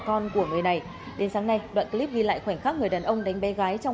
con của người này đến sáng nay đoạn clip ghi lại khoảnh khắc người đàn ông đánh bé gái trong